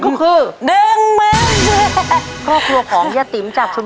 น้ำมันน้ำมันน้ำมันน้ำมันน้ำมัน